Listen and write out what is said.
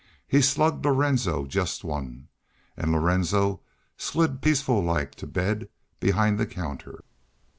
He slugged Lorenzo jest one. An' Lorenzo slid peaceful like to bed behind the counter.